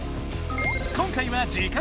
今回は時間制。